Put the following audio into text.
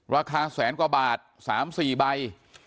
ราคาแสนกว่าบาท๓๔ใบ